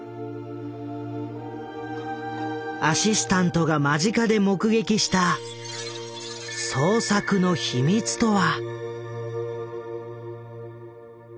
アシスタントが間近で目撃した創作の秘密とは？